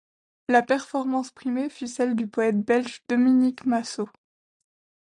La performance primée fut celle du poète belge Dominique Massaut.